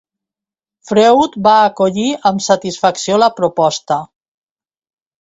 Freud va acollir amb satisfacció la proposta.